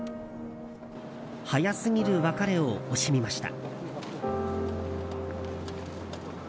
早すぎる別れを惜しみました。